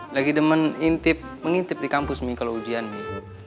lagi demen intip mengintip di kampus nih kalau ujian nih